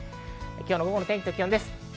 午後の天気と気温です。